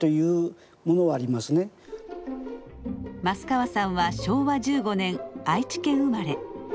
益川さんは昭和１５年愛知県生まれ。